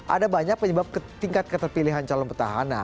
ada banyak penyebab tingkat keterpilihan calon petahana